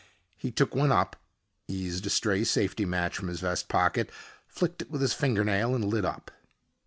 He took one up, eased a stray safety match from his vest pocket, flicked it with his fingernail, and lit up.